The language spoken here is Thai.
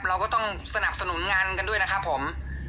เราก็ต้องสนับสนุนงานกันด้วยนะครับผม